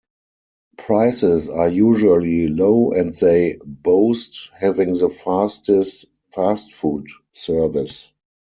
Prices are usually low and they boast having the fastest fast-food service.